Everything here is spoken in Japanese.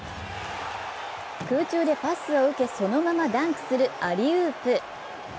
空中でパスを受け、そのままダンクするアリウープ。